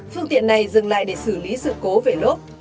phương tiện này dừng lại để xử lý sự cố về lốp